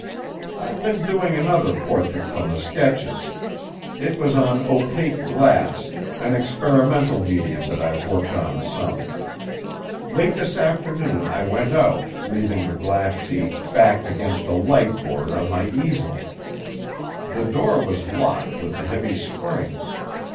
"I've been doing another portrait from the sketches. It was on opaque glass, an experimental medium that I've worked on some. Late this afternoon I went out, leaving the glass sheet, backed against a light board, on my easel. The door was locked with a heavy spring.